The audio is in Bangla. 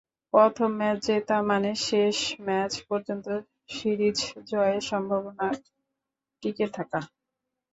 প্রথম ম্যাচ জেতা মানে শেষ ম্যাচ পর্যন্ত সিরিজ জয়ের সম্ভাবনা টিকে থাকা।